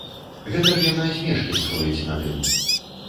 Гэта ж яна смешкі строіць над ім.